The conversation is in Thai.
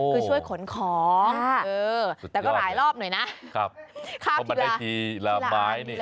คือช่วยขนของแต่ก็หลายรอบหน่อยนะครับเข้ามาได้ทีละไม้นี่